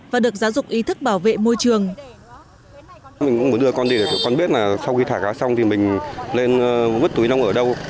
và được giáo dục ý thức bảo vệ môi trường